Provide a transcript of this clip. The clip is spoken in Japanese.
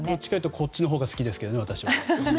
こっちのほうが好きですね、私は。